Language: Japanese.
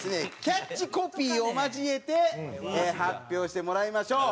キャッチコピーを交えて発表してもらいましょう。